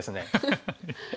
ハハハハ。